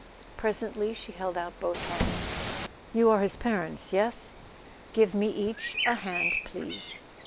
Presently she held out both hands. "You are his parents? Yes? Give me each a hand, please."